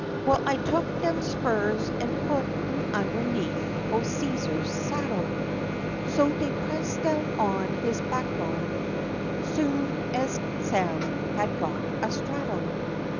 Well, I took dem spurs an' put em underneat' o' Cæsar's saddle, So dey'd press down in his backbone soon ez Sam had got a straddle.